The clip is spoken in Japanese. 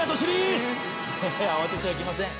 あわてちゃいけません。